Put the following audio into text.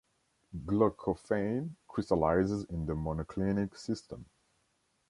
Glaucophane crystallizes in the monoclinic system.